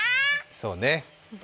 そうね。